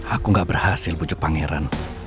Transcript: aku gak berhasil bujuk pangeran